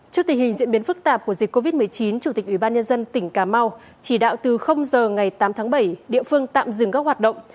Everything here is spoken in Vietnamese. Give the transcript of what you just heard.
trước tình hình diễn biến phức tạp của dịch covid một mươi chín chủ tịch ủy ban nhân dân tỉnh cà mau chỉ đạo từ giờ ngày tám tháng bảy địa phương tạm dừng các hoạt động